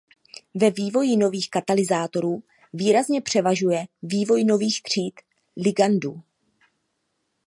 Ve vývoji nových katalyzátorů výrazně převažuje vývoj nových tříd ligandů.